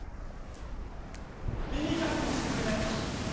耳かきをしてくれないか？